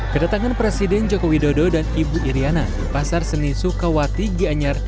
kedatangan presiden joko widodo dan ibu iryana di pasar seni sukawati gianyar